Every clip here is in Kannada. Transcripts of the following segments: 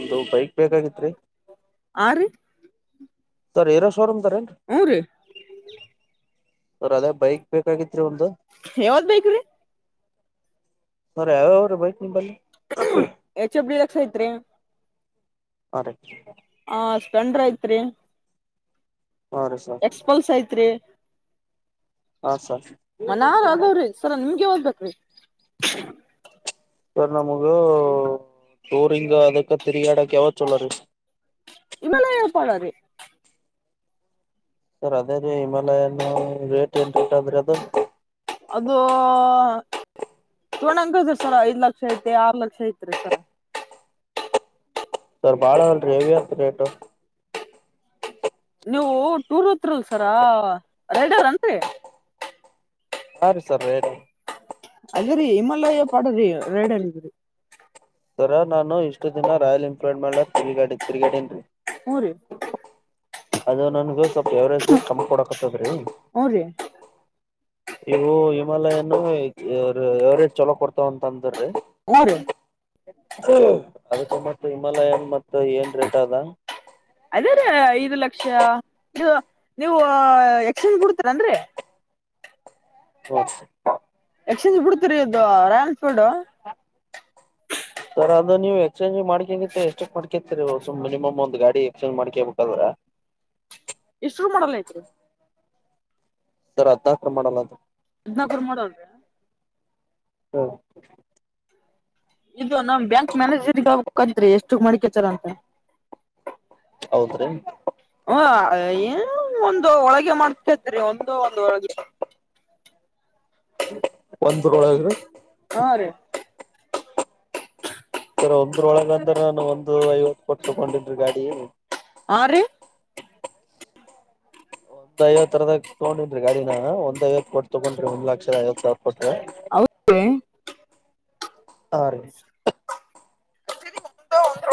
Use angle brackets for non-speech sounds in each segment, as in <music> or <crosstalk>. ಒಂದು ಬೈಕ್ ಬೇಕಾಗಿತ್ೀ ಆ ರೀ ತ ಎರ ಶೋರೂಮ್ ತ ರನು ಹ್ಞೂ ರೀ ಸ್ರ ಅದೇ ಬೈಕ್ ಬೇಕಾಗಿತ್ತು ಯಾವದ್ ಬೈಕ್ ರಿ ಸಾರಾ ಯಾವ ಯಾವ ಅವ್ರ ಬೈಕ್ ನಿಂಬಲ್ಲಿ ಎಚ್ ಎಫ ಡಿ ಲಕ್ಷ ಐತ್ರಿ ಅ ಹಾ ಸ್ಪೆಂಡ್ರ ಐತ್ರಿ ಹಾ ರೀ ಸರ್ ಎಕ್ಸ್ಪಲ್ಸ್ ಐತ್ರಿ ಹಾ ಸರ್ ಮನ್ರ ಅದವ್ರೀ ಸರ ನಿಮ್ಗೆ ಹಓದ್ಬೇಕ್ರೀ <inaudible> ಸರ್ ನಮಗ ಟೋರಿಂಗ ಅದಕ್ಕ ತಿರಿಗಾಡಕ್ಕೆ ಯಾವ ಚಲ ರೀ ವಿಮಾಲಯ ಪಡದೆ ಸರ್ ಅದೇ ರೀ ಹಿಮಾಲಯನ ರೇಟ್ ಏನ್ ರೇಟ್ ಅದ್ರೆ ಅದು ಅದು ತೊಗೊಂಡಗ ಐತ್ರಿ ಸರ್ ಐದ್ ಲಕ್ಷ ಐತಿ ಆರು ಲಕ್ಷ ಐತ್ರಿ ಸರ ಸರ್ ಬಾಳ ಅಲ್ರಿ ಹೆವ ಅತ್ ರೇಟ್ ನೀವು ಟೂರ್ ಹತ್ರರಲ್ ಸರ ರೈಡರ್ ಅನ್ರಿ ಹಾ ರೀ ಸರ್ ರೇ ಅದ್ರೀ ಹಿಮಾಲಯ ಪಾಡ ರೀ ರೈಡನ್ರಿ ಸರ ನಾನು ಇಷ್ಟು ದಿನ ರಾಯಲ್ ಎನ್ಫೀಲ್ಡ್ ಮಳ ತಿರುಗಾಡಿ ತಿರುಗಾಡನ್ೀ ಊರ ಅದು ನನ್ಗ ಸ್ವಲ್ ಎವರೇಜ ಕಮ್ಮ ಕೊಡಕತ್ತದ್ರೀ ಹ್ಞೂ ರೀ ಇವು ಮಾಲ ಏನು ಎವರೇಜ್ ಚೊಲೋ ಕೊತಾವ ಅಂತ ಅಂದ್ರೀ ಅವರು ಅದಕ್ಕ ಮ ಹಿಮಾಲಯನ್ ಮತ್ತ ಏನ್ ರೇಟ್ ಅದ ಅದೇ ರೀ ಐದು ಲಕ್ಷ ನೀ ನೀವು ಎಕ್ಸ್ಚೇಂಜ್ ಬಿಡ್ತೀರನ್್ರರಿ ಹ ಎಕ್ಸ್ಚೇಂಜ್ ಬಿಡ್ತರಿದು ರಾಯಲ್ನ್ಫೀಲ್ಡ್ ಸರ ಅದ ನೀವು ಎಕ್ಸ್ಚೇಂಜ್ ಮಾಡ್ ಎಷ್ಟು ಮಾಡ ಮಿನಿಮಮ್ ಒಂದು ಗಾಡಿ ಎಕ್ಸ್ಚೇಂಜ್ ಮಾಡ್ಕೇಳ್ಬೇಕಾದ್ರ ಎಷ್ಟರು ಮಾಡಲ್ಲ ಐತ್ರಿ ಸರ್ ಅದಕ ಮಾಡಲ್ಲ ಅ ಹದ್ನಾಕೂರ್ ಮಾಡೋಲ್ರಿ ಹಾ ಇದು ನಮ್ ಬ್ಯಾಂಕ್ ಮ್ಯಾನೇಜರ್ಗ ಹೇಳಬೇಕು ಅತ್ತ್ ರಿ ಎಷ್ಟುಕ್ ಮಡಿಕೇತರ ಅಂತ ಹೌದ್ರೀ ಹ ಏ ಒಂದು ಒಳಗೆ ಮಾಡ್ಕತ್ ಒಂದು ಒಂದು ಒಳಗೆ ಒಂದಳ ಆರು ಸರ್ ಒಂದ್ರೊಳಗ ಅಂದ್ರೆ ನಾನು ಒಂದು ಐವತ್ತು ಕೊಟ್ಟ ತಕೊಂಡಿದ್ರಿ ಗಾಡಿ ಆರು ಒಂದ್ ಐವತ್ತರದ ತಗೊಂಡಿನನೀ ರಿ ಗಾಡಿನ ಒಂದ್ಐವತ್ತು ಕೊಟ್ಟ ತಗೊಂಡ್ರಿ ಒಂದ ಲಕ್ಷದ ಐವತ್ ಸಾವಿರ ಹೊಷ್ಟ ಹೌದ್ರಿ <unintelligible> ಆ ರಿ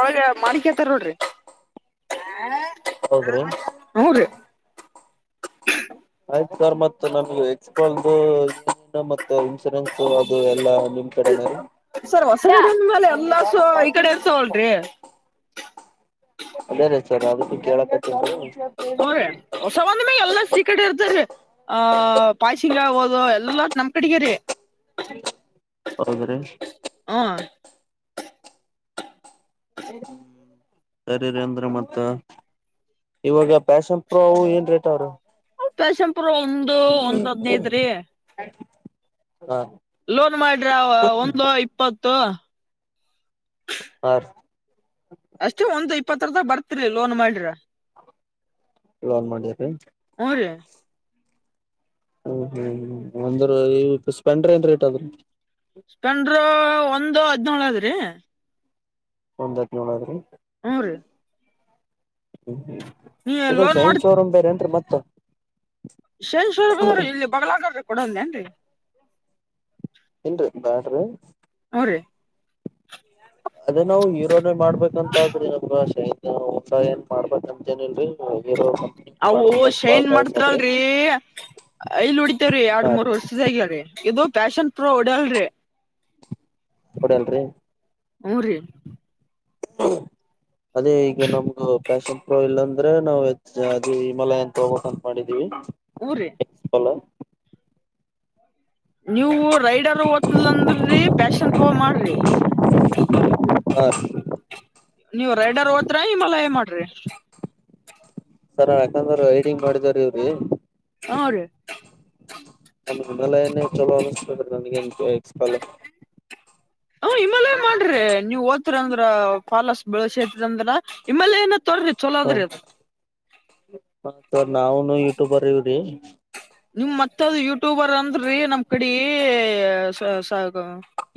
ಒಳಗ ಮಾಡಕೋತರೆ ನೋಡ್ರಿ ಹೌದ್ರಿ ಹೂ ರಿ <unintelligible> ಆಯ್ತು ಸಾರ್ ಮತ್ ನಮಗೆ ಎಕ್ಸ್ಪಲ್ ಏನು ಮತ್ತ ಇನ್ಸೂರೆನ್ಸ್ ಅದು ಎಲ್ಲಾ ನಿಮ್ ಕಡೆನ ಸರ್ ಹೊಸಗಡಂದ್ಮೇಲೆ ಎಲ್ಲ ಸ ಈ ಕಡೆ ಇರ್ತವಲ್ರಿ ಅದೇ ರೇ ಸರ್ ಅದಕ್ಕೂ ಕೇಳ ಸರಿ ಹೊಸಂದ ಮೇ ಎಲ್ಲ ಸೀಕ್ರ ಇ <unintelligible> ಆ ಪಾಯ್ಸಿಂಗ ಆಗೋದು ಎಲ್ಲಲ್ಲ ನಮ್ ಕಡಗ ರೀ ಹೌದ್ರೀ ಹ್ಞೂ ಎ <inaudible> ಸರಿ ರ ಅಂದ್ರೆ ಮತ್ತ ಇವಾಗ ಪ್ಯಾಷನ್ ಪ್ರೋ ಏನ್ ರೇಟ್ ಅವ್ರ ಫ್ಯಾಷನ್ ಪ್ರೊ ಇಪ್ರ ಒಂದು ಒಂದ್ ಹದ್ನೈದ್ರೀ ಹಾ ಲೋನ್ ಮಾಡ್ರ ಒಂದು ಇಪ್ಪತ್ತು ತ್ತ ಆ ಅಷ್ಟೇ ಒಂದ್ ಇಪ್ಪತ್ತ ರ ತ ಬರ್ತಿರಿ ಲೋನ್ ಮಾಡಿರ ಲೋನ್ ಮಾಡದ್ರ ರೀ ಹ್ಮ್ ಹ್ಮ್ ಹ್ಮ್ ಒಂದ್ರ ಸ್ಪೆಂಡರ್ ಏನ್ ರೇಟ್ ಅದ್ರ ಸ್ಪೆಂಡರು ಒಂದು ಹದನೇಳು ಅದ್ರಿ ಒಂದ್ ಹದ ನೋಳದ್ರಿ ಹ್ಮ್ ರೀ ಹ್ಮ ನೀ ಹ್ಮ್ ಇ ಶೈನ್ ಬೇರೆ ಅಂತ ಮತ್ತೆ ಹಾ ಶೇ ಶ ಇಲ್ಲಿ ಬಲ <inaudible> ಕೊೂಡಂದೇಏನ್ರಿ ಏನ್ರರಿ ಬಾಡ್ರಿ ಹ ರ ಅದೇ ನಾವವು ಹೀರೋನೇ ಮಾಡ್ಬೇಕಂತಾದ್ರಿ ನಮ್ಗ ಶೈತ ಊಟ ಏನ್ ಮಾಡ್ಬೇಕಂತೇನಿಲ್ರಿ ಹೀರೋ ಕಂಪನಿ ಅವು ಮಾಡ್ಬೇಕಂತ ಬಾಳ ಶೈನ್ ಕಾಯಸಾದ್ರಿ ಮಾಡ್ತ್್ರಲ್ರಿ ಇಲ್ ಉಡಿತೇವ್ರಿ ಎರಡ್ ಹಾ ರೀ ಮೂರ್ ವರ್ಷದಾಗ್ಯರಿ ಇದು ಫ್ಯಾಶನ್ ಫ್ರೋಡಲ್ ರೀ ಕೊಡಲ್ರಿ ಹಊ ರೀ ಅದೇ ಈಗ ನಮ್ಗ ಫ್ಯಾಷನ್ ಪ್ರೋ ಇಲ್ಲಾಂದ್ರೆ ನಾವು ಹೆ ಅದು ಹಿಮಾಲಯ ಅಂತ ಹೋಗೋಕ್ ಅಂತ ಮಾಡಿದೀವಿ ಹ್ಞೂ ರೀ ಎಲ ನೀವು ರೈಡರ್ ಓತ್ಲ್ ಅಂದ್ರಿ ಪ್ಯಾಷನ್ ಪೋ ಮಾಡ್ರಿ ಹ ನೀವ ರೈಡರ್ ಹೋದ್ರ ಇಮ್ಮಲ್ಲ ಏ ಮಾಡ್ರಿ ಸರ ಯಾಕಂದ್ರ ಹೈಡಿಂಗ್ ಮಾಡಿದಾರ ಇವ್ರಿ ಹಾ ರೀ ಕೂದಲೇೇ ಇಷ್ಟಷ್ಟಾಲ ಹ ಹಿಮಾಲಯ ಮಾಡ್ರಿ ನೀವ್ ಓದ್ತಿರ ಅಂದ್ರ ಫಾಲಸ್ ಬೆಳಸಂದ್ರ ಇಮ ಏನ ್ರಿ ಚಲೋದ್ರ ಅ ಹ ಸರ್ ನಾವನು ಯೂಟ್ಯೂಬರ್ ಇವ್ರಿ ನಿಮ್ ಮತ್ತೆ ಅದು ಯೂಟ್ಯೂಬರ್ ಅಂದ್ರೀ ನಮ್ ಕಡೆ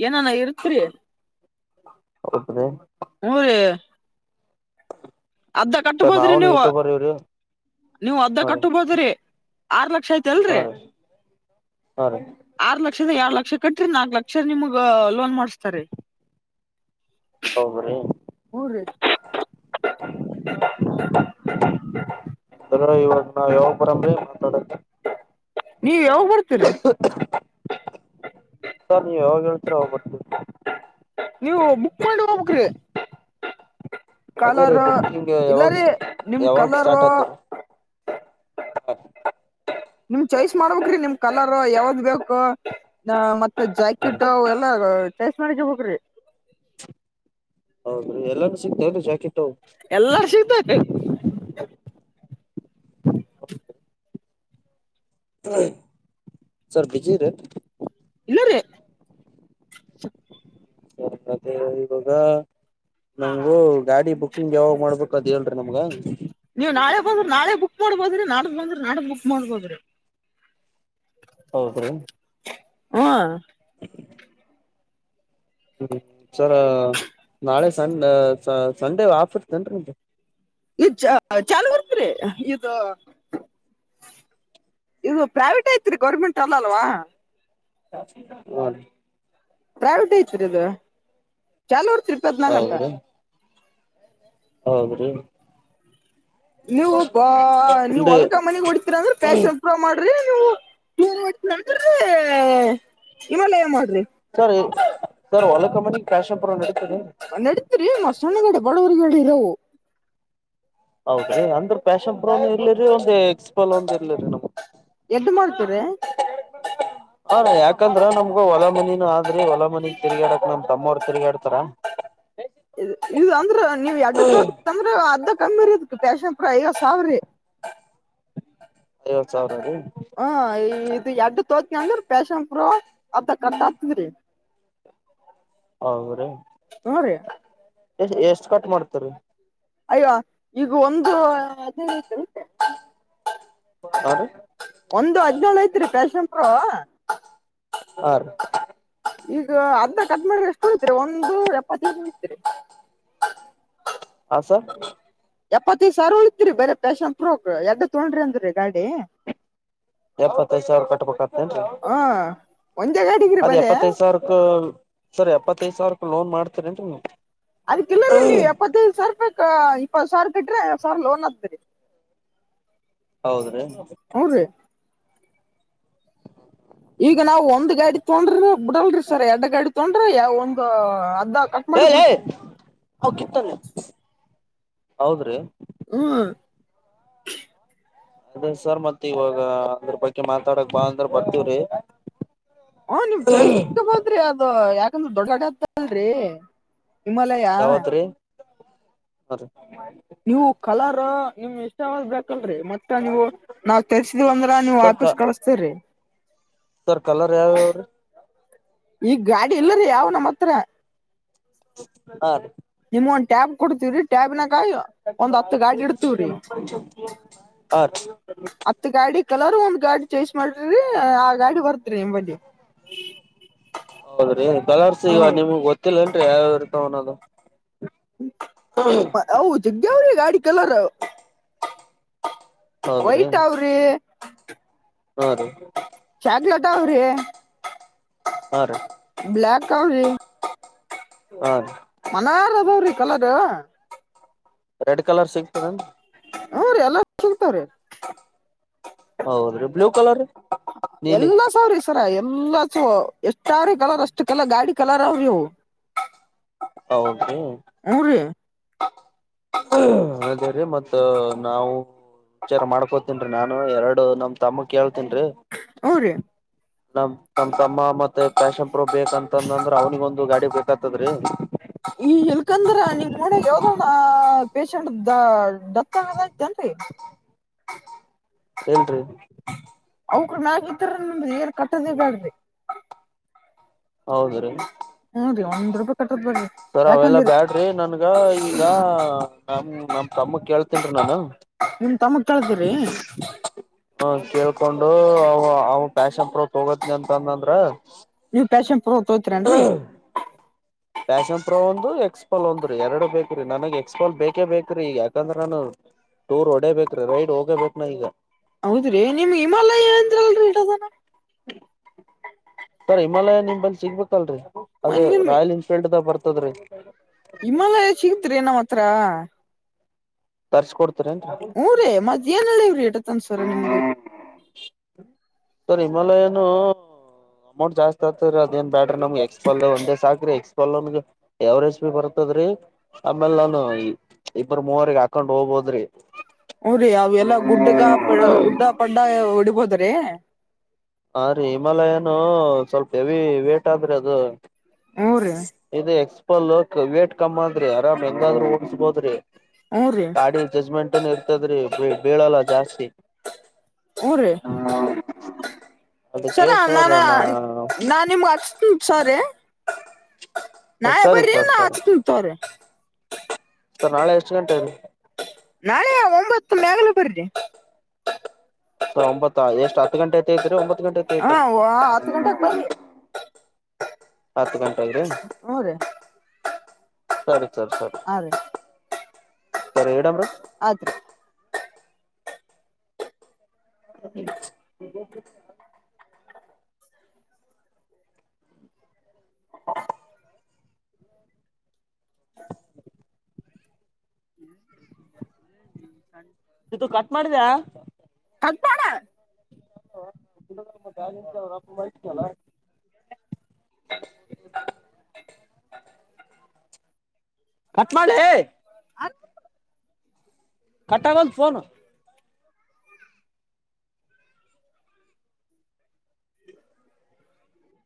ಏನ ಹೌದ್ರಿ ಹ ರ ಅದ್ದ ಸರ್ ಕಟ್ಬೋದ್ರಿ ನಾವುನು ನೀವು ಯೂಟ್ಯೂಬರ್ ಇವ್ರಿ ನೀವು ಅದ್ದ ಹಾ ರೀ ಕಟ್ಬೋದ್ರಿ ಆರು ಲಕ್ಷ ಲಕ್ಷ ಆತ ಹಾ ಅಲ್ರಿ ರೀ ಹಾ ರೀ ಆ ಲಕ್ಷ ಲಕ್ಷದ ಎರ ಲಕ್ಷ ಕಟ್ರಿ ನಾಕ ಲಕ್ಷ ನಿಮಗ್ ಲೋನ್ ಮಾಡಸ್ತಾರೆ ಹೌಬ್ರಿ ಹಊನ್ ರೀ ಸರ್ ಇವಾಗ ನಾವ್ ಯಾವಪುರಂ್ರೀ ಮಾತನಾಡ ನೀವ ಯಾವ ಬರ್ತೀರ ಸರಿ ಯಾವಾಗ ಹೇಳ್ತರ ಬರ್ು ಹಾಂ ನೀವು ಬುಕ್ ಮಾಡಿ ಹೋಗಬ್ರಿ ಅದೇ ರೀ ಕಲರ್ ಬುಕ್ಕಿಂಗ್ ಯಾವಾಗ ಇಲ್ಲಾರಿೀ ನಿಮ ಯಾವಾಗ ಕಲರ್ ಹಾ ನಿಮ್ ಚಾಯ್ಸ್ ಮಾಡ್ಬೇಕ್ರಿ ನಿಮ್ ಕಲರ್ ಯಾವ್ದ್ ಬೇಕು ನ ಮತ್ತೆ ಜಾಕೆಟ್ ಎಲ್ಲ ಚೈಸ್ ಮಾಡಿಗೆ ಹೋಗ್ರಿ ಹೌದ್ರೀ ಎಲ್ಲಾನು ಸಿಗ್ತೇವ ಜಾಕೆಟ್ ಅವು ಎಲ್ಲಾರ್ ಸಿಗ್ತ <inaudible> ಸರ್ ಬಿಜಿರಿ <inaudible> ಹ ಮತ್ತೆ ಇವಾಗ ನಮ್ಗೂ ಗಾಡಿ ಬುಕ್ಕಿಂಗ್ ಯಾವಾಗ್ ಮಾಡ್ಬೇಕು ಅದು ಹೇಳ್ರಿ ನಮ್ಗ ನೀವ್ ನಾಳೆ ಬಂದ್ರ ನಾಳೆ ಬುಕ್ ಮಾಡಬೋದ್ರಿ ನಾಕ್ ಬಂದ್ರಿ ನಾಡಕ್ ಬುಕ್ ಮಾಡ್ಬೋದ್ರಿ ಹೌದ್ರಿ ಹ ಹ್ಮ್ ಸರ್ ನಾಳೆ ಸ ಸಂಡೇ ಆಫ್ ಇರ್ತೇನ್ರಿ ನಿಮ್ದು ಇದು ಚ ಚಲೋ ಇರ್ತಿದ್ರಿ ಇದು ಇದು ಪ್ರೈವೇಟ್ ಐತ್ರಿ ಗೌರ್ಮೆಂಟ್ ಅಲ್ಲ ಅಲ್ವಾ ಹ ರಿ ಪ್ರೈವೇಟ್ಐತರಿದು ಚಲು ಇಪ್ಪತನಾಲ್ಕ ಗಂಟಾ ಹೌದ್ರಿ ಹೌದ್ರಿ ನೀವು ಬ ನೀವ್ ಇಲ್ರಿ ಹೊಲ್ಕಾ ಮನಗ್ ಹೊಡತೀರ ಅಂದ್ರೆ ಪ್ಯಾಶನ್ ಪ್ರೂವ್ ಮಾಡ್ರಿ ನೀರ ಹಿಮಾಲಯ ಮಾಡ <unintelligible> ಸರ್ ಸರ್ ಹೊಲ ಕ ಮನಿ ಕಶಾಪುರ ನಡ ನಡಿತತ್ ರರಿ ಮಸೊಣಡ ಬಡವಗಳರವು <unintelligible> ಹೌದ ಅಂದ್ರ ಪ್ಯಾಶನ್ ಇಲಿರಿ ಒಂದ ಎಕ್ಸ್ಪಲ್ ಒಂದ ಇರ್ಲಿರಿ ನಮ್ ಎಡ್ ಮಾಡ್ತೀರಿ ಹ ಯಾಕಂದ್ರ ನಮ್ಗ ಹೊಲಮನಿನ ಆದ್ರಿ ಹೊಲಮನಿ ತಿರುಗಾಡಕ್ ನಮ ತಮ್ಮ ಅವ್ರ ತಿರುಗಾಡ್ತಾರ ಇದು ಅಂದ್ರ ನೀವ್ ಎಡ್ ತೊಂದ್ರ ಅದ ಕಮ್ಮಿ ಇರದ ಪ್ಯಾಷನ್ಪ್ರ ಈಗ ಐವತ್ತು ಸಾವಿ್ರಿ ಐವತ್ ಸಾವಿರ ರೀ ಇ ಎಡ್ಡು ತೋತ್ಕ ಅಂದ್ರ ಪೇಶನ್ಪ ಅಥ ಕಟ್ ಆಕ್ತದ್ರಿ ಹೌದ ಹೊ ರ ಎಷ್ಟ ಎಷ್ಟು ಕಟ್ ಮಾಡ್ತರಿೀ ಅಯ್ಯ ಈಗ ಒಂದು ಹಾ ರೀ ಒಂದು ಹದ್ನೇಳು ಐತ್ರಿ ಪ್ಯಾಶಂಪರು ಆ ಈಗ ಅದಧ ಕಟ್ ಮಾಡ್ರೆ ಎಷ್ಟು ಹೊತರಿ ಒಂದು ಎಪ್ಪತ್ತೈದು ಇತಿರಿ ಹ ಸರ್ ಎಪ್ಪತ್ತೈದ ಸಾವರ ಉಳತ್ರಿ ಬರ ಪಫ್ಯಾಷನ್ ಪ್ರೂಕ್ ಎದ್ದ ತೊೊಂಡ್ರಿ ಅಂದ್ರಿ ಗಾಡಿ ಎಪ್ಪತ್ತೈದ ಸಾವಿರ ಕಟ್ಬೇಕತ್ತನ್ರಿ ಹಾ ಒಂದೇ ಗಾಡಿಗ್ರಿ ಅದ್ ಬರೇ ಎಪ್ಪತ್ತೈದ ಸಾವಿರಕ್ ಸರಿ ಎಪ್ಪತ್ತೈದ್ ಸಾವಿರ ಲೋನ್ ಮಾಡ್ತ ಟು <unintelligible> ಅದ್ಕ್ಕ ಇಿಲ್ಲರೀ ನೀವ್ ಎಪ್ಪತ್ತೈದು ಸಾವಿರ ರೂಪ ಇಪ್ಪ ಸಾವಿರ ಬಿಟ್ರಿ ಐವತ್ತು ಸಾವಿರ ಲೋನ್ ಹತ್ತತ್ದರಿ ಹೌದ್ರೀ ಹ್ಞೂ ರೀ ತೊೊಂಡ್ರ ಬಿಡಲ್ರಿ ಸರ್ ಎಡ್ ಗಾಡಿ ತೊೊಂಡ್ರಿ ಯಾವ ಒಂದು ಹ ಹ ಕೀರ್ತನೆ <unintelligible> ಹೌದ್ರೀ ಹ್ಮ ಅದೇ ಸರ್ ಮತ್ತ್ ಇವಾಗ ಅದ್ರ ಬಗ್ಗೆ ಮಾತಾಡಕ್ ಬಾ ಅಂದ್ರ ಬರ್ತವ್ರಿ ಹ ನೀವು್ ಜಯಸ್ ಹೋದ್ರಿ ಅದು ಯಾಕ ದೊಡ್ಡ ದಡತಲ್ರಿ ಹಿಮಾಲಯ ಹ ನೀವು ಕಲರ್ ನಿಮ್ ಎಷ್ಟ ಾಕಲ್ರರಿ ಮತ್ತ ನೀವು ನಾವ್ ತೆರ್ಸಿದೀವಂದ್ರ ನೀವ್ ಸರ್ ವಾಪಸ್ ಕ ಕಳಸ್ತೇವ್ರಿ ಸರ್ ಕಲರ್ ಯಾವ್ಯಾವ್ರಿ ಈ ಗಾಡಿ ಇಲ್ಲರಿೀ ಯಾವ್ ನಮ್ಮ ಹತ್ರ ಹ ರ ಒಂದು ಟ್ಯಾಬ್ ಕೊಡ್ತೀ್ರೀ ಟ್ಯಾಬ್ನ ಒಂದ್ ಹತ್ತು ಗಾಡಿ ಇಡ್ತವ್ರಿ ಹಾ ರೀ ಹತ್ತು ಗಾಡಿ ಕಲರ್ ಒಂದ್ ಗಾಡಿ ಚೇಸ್ ಮಾಡ ಅದು ಹೌದ್ರಿ ಕಲರ್ಸ್ ಈಗ ಹ್ಮ ನಿಮ್ಗ್ ಗೊತ್ತಿಲ್ಲೇನ್ರಿ ಯಾವ ಇರ್ತಾವನ್ನೋದು ಹ ಜ ಯಾವ್ರೀ ಗಾಡಿ ಕಲರ್ ವೈಟ್ ಅವ್ರಿ ಹ ಹ ರ ಅವ್ರ ಹೀ ಕಿ ಹೌ ರೀ ನಾ ರ ಬವ್ರಿ ಕಲಡವ ರೆಡ್ ಕಲರ್ ಸಿಗ್ತದನ್ರಿ ಹಾ ರೀ ಎಲ್ಲಾ ಸಿಗ್ತಾರೀ ಹೌದ್ರೀ ಬ್ಲೂ ಕಲರ್ ನೀಲಿ ಎಲ್ಲತ್ ಎಷ್ಟಾರ ಕಲರ್ ಅಷ್ಟು ಕಲರ್ ಗಾಡಿ ಕಲರ್ ಅವ ನೀವು ಹೌದು ಅದೇ ರೀ ಮತ್ ನಾವು ವಿಚಾರ ಮಾಡ್ಕೋತನ್ೀ ನಾನು ಎರಡು ನಮ್ ತಮ್ಮಕ್ ಯಾವ ನ್ರಿ ಹ್ಮ್ ರೀ ನಮ ನಮ ತಮ್ಮ ಮ ಪಷ ಬೇಕಂತಂದಂದ್ರ ಅವ್ನಿಿಗೆೊಂದು ಗಾಡಿ ಬೇಕತದ್ರಿ ಈ ಇಲ್ಕಂದ್ರ ನಿಮ್ ನೋಡಾಗ ಯಾವ್ದನ ಪೇಶಂಟ್ ದ ಡತ್ತಗದಐ್ತನ್ರಿ ಏನ್ರಿ ಅವುಕೂರ್ ಮ್ಯಾಗ ಇದ್ರ ಏನ್ ಕಟ್ಟದ ಬ್ಯಾಡ್ರಿ ಹೌದ್ರೀ ಹ್ಮ್ ರೀ ಒಂದ್ ರೂಪಾಯಿ ಕಟ್ಟದ್ ಬ್ಯಾಡ್ರಿ ಸರ್ ಅವೆಲ್ಲ ಯಾಕಂದ್ರಿ ಬ್ಯಾಡ್ರಿ ನನ್ಗ ಈಗ ನಮ ನಮ ತಮ್ಮ ಕೇಳ್ತನ್ರಿೀ ನಾನು ತಮ ಕಳತೀ ರೀ ಹ ಕೇಳ್ಕೊಂಡು ಅವ ಅವ ಪ್ಯಾಷನ್ ಪ್ರೋತ್ ಹೋಗ ನಂತಂದಂದ್ರ ಫ್ಯಾಶಮ್ ತೋಯತರನ್ರಿ ಫ್ಯಾಷನ್ ಪ್ರೊ ಒಂದು ಎಕ್ಸ್ಪಾಲ್ ಒಂದು ರೀ ಎರಡು ಬೇಕ್ರೀ ನನಗೆ ಎಕ್ಸ್ಪಾಲ್ ಬೇಕೇ ಬೇಕ್ರೀ ಈಗ ಯಾಕಂದ್ರೆ ನಾನು ಟೂರ್ ಹೊಡೇಬೇಕ್ರೀ ರೈಡ್ ಹೋಗೇಬೇಕಕ್ ನ ಈಗ ಹೌದ್ರಿ ನಿಮ್ ಹಮಾಲಯ ಂದ್ರಲ್ರಿ ಇಡದಾನ ಸರ್ ಹಿಮಾಲಯ ನಿಂಬಲ್ಲಿ ಸಿಗ್ಬೇಕಲ್ರರಿ ಅದು ರಾಯಲ್ ಎನ್ಫೀಲ್ಡ್ ದ ಬರ್ತದೆ ಹತದ್ರೀ ಇಮ್ಮಾಗ ಸಿಗತ್ರಿಏ ನ ಮತ್ತ ಹತ್ರ ತರಿಸಸಕ ಕೊಡ್ ಹಊ ರೇ ಮದ್ ಏನ್ ಹೇಳಿವವ್ರಿ ತನ್ ಸರ ನಿಮ್ಗೆ ಸರ್ ನಿಮಲ್ಲ ಏನು ಅಮೌಂಟ್ ಜಾಸ್ತಿ ಆಗ್ತದೀ ಅದ ಏನ್ ಬ್ಯಾಟ್ರಿ ನಮ್ಗೆ ಎಕ್ಸ್ಪಲ್ ಒಂದೇ ಸಾಕ್ರಿ ಎಕ್ಸ್ಪಾಲ್ನ್ಗೆ ಎವರೇಜ್ ಬಿ ಬರ್ತದ್ರೀ ಆಮೇಲ್ ನಾನು ಇಬ್ಬರ ಮೂವರ್ಗ ಹಾಕೊಂಡ್ ಹೋಗಬೋದ್ರಿ ಹಊ ರೀ ಅವೆಲ್ಲಾ ಗುಡ್ಡಗ ಹ ಗುದಡ್ಡ ಪಂಡ ಓಡಿಬೋತ ಯೇ ಹ ರೀ ಹಿಮಾಲಯ ಏನು ಸ್ವಲ್ಪ ಹೆವಿ ವೇಟ್ ಆದ್ರಿ ಅದು ಮೂರು ಪ್ಪ ಲಕ್ ವೇಟ್ ಕಮ್ಮ್ ಅಂದ್ರಿ ಆರಾಮ್ ಹೆಂಗಾದ್ರೂ ಉಡ್ಸ್ಬೋದ್ರಿ ಹೂ ರೀ ಗಾಡಿ ಜಜ್ಮೆಂಟ್ನ್ ಇರ್ತದ್ರಿ ಬೀಳಲ್ಲ ಜಾಸ್ತಿ ಊರೇ ಅದಕ್ಕೆ ಸರ ಸರ್ ನಾನ ನಾ ನಾ ನಿಮ್ ಹ್ಮ ಸರಿ ನಾ ಯ ಸರಿ ಬರಿ ಸರ್ ನ ಸರಿ ಹತವ್ರಿ ಸ ನಾಳೆ ಎಷ್ಟು ಗಂಟೆಲ್ಲಿ ನಾಳೆ ಒಂಬತ್ತು ಮಾಗಲ ಬರ್ಿದೆೆ ಸ ಒತ್ ಎಷ್ಟ್ ಹತ್ತು ಗಂಟೆ ಐತೆ ತ್ರಿ ಒತ್ ಗಂಟೆ ಐ ಹಾ ಐತ್ರಿ ಹತ್ತು ಗಂಟೆಗೆ ಬರ್ರಿ ಹತ್ತು ಗಂಟೆಿ ಹ್ಞೂ ರೀ ಸರಿ ಸರಿ ಸರಿ ಹಾ ರೀ <unintelligible> <unintelligible> ಆದ್ರೆ <unintelligible> ಹ್ಮ <unintelligible> <inaudible> ಹ್ಮ ಸ <inaudible> ಇದು ಕಟ್ ಮಾಡಿದ್ಯಾ ಕಟ್ ಮಾಡ <inaudible> ಮೆಂತಪ್ಪ ಮಾಡತಲ್ಲ <inaudible> ಕಟ್ ಮಾಡ್ಲಿ ಅ ಕಟ್ಟಾಗದು ಫೋನು <inaudible> <unintelligible> <inaudible>